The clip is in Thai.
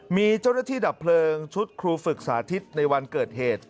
มีเจ้าหน้าที่ดับเพลิงชุดครูฝึกสาธิตในวันเกิดเหตุ